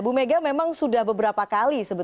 bumega memang sudah beberapa kali